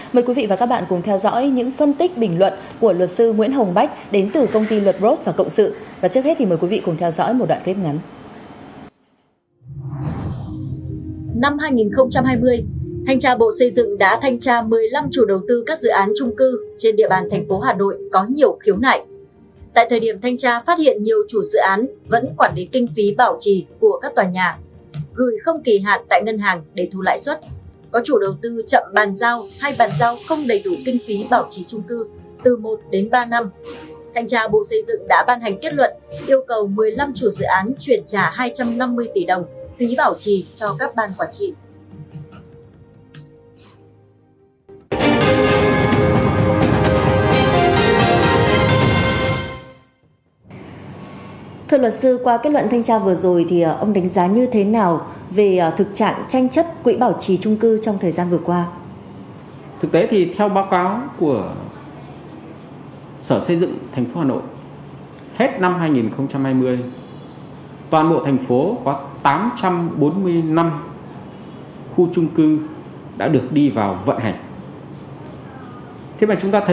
mời quý vị và các bạn cùng theo dõi những phân tích bình luận của luật sư nguyễn hồng bách